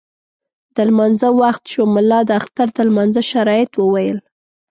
د لمانځه وخت شو، ملا د اختر د لمانځه شرایط وویل.